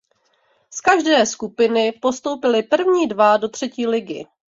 Z každé skupiny postoupili první dva do třetí ligy.